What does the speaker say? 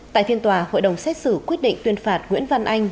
tại phiên tòa hội đồng xét xử quyết định tuyên phạt nguyễn văn anh